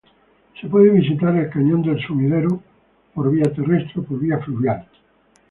Se puede visitar el Cañón del Sumidero por vía terrestre o por vía fluvial.